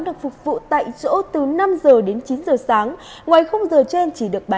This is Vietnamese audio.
được phục vụ tại chỗ từ năm giờ đến chín giờ sáng ngoài không giờ trên